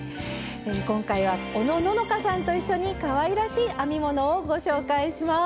今回はおのののかさんと一緒にかわいらしい編み物をご紹介します。